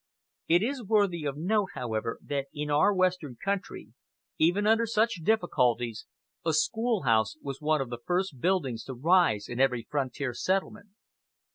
It is worthy of note, however, that in our western country, even under such difficulties, a school house was one of the first buildings to rise in every frontier settlement.